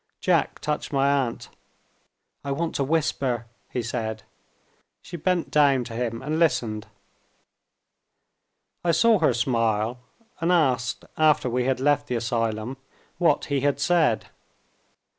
Jack touched my aunt. "I want to whisper," he said. She bent down to him, and listened. I saw her smile, and asked, after we had left the asylum, what he had said.